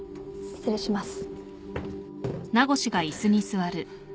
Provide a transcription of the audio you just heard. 失礼します。